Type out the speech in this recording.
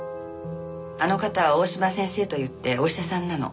あの方は大嶋先生といってお医者さんなの。